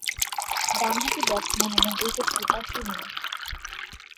ডানহাতি ব্যাটসম্যান এবং wicket keeper তিনি।